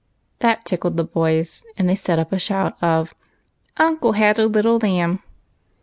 That tickled the boys, and they set up a shout of " Uncle had a little lamb